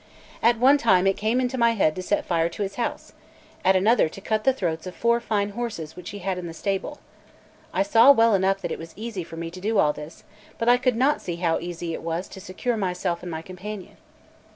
At one time it came into my head to set fire to his house; at another to cut the throats of four fine horses which he had in the stable; I saw well enough that it was easy for me to do all this; but I could not see how it was easy to secure myself and my companion.